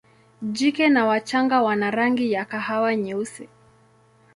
Jike na wachanga wana rangi ya kahawa nyeusi.